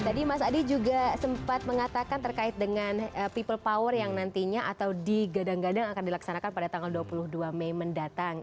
tadi mas adi juga sempat mengatakan terkait dengan people power yang nantinya atau digadang gadang akan dilaksanakan pada tanggal dua puluh dua mei mendatang